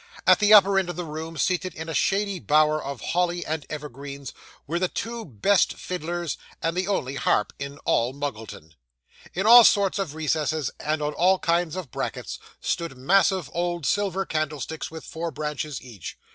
At the upper end of the room, seated in a shady bower of holly and evergreens were the two best fiddlers, and the only harp, in all Muggleton. In all sorts of recesses, and on all kinds of brackets, stood massive old silver candlesticks with four branches each.